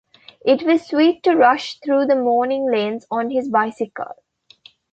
It was sweet to rush through the morning lanes on his bicycle.